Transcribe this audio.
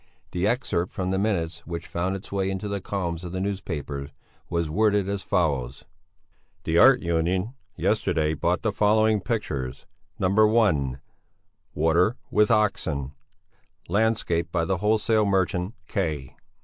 The excerpt from the minutes which found its way into the columns of the newspapers, was worded as follows: "The Art Union yesterday bought the following pictures: (1) 'Water with Oxen,' landscape by the wholesale merchant K.